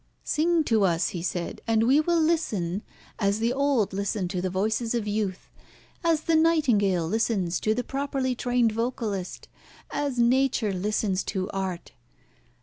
"Sing to us," he said, "and we will listen as the old listen to the voices of youth, as the nightingale listens to the properly trained vocalist, as Nature listens to Art.